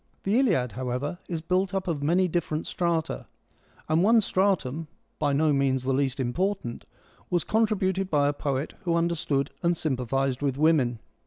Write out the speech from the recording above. The Iliad however, is built up of many different strata, and one stratum — by no means the least important — was contributed by a poet who under stood and sympathised with women.